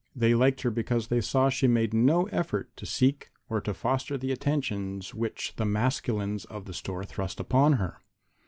They liked her because they saw she made no effort to seek or to foster the attentions which the masculines of the store thrust upon her.